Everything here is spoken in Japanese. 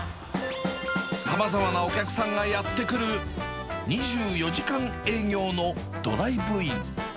さまざまなお客さんがやって来る２４時間営業のドライブイン。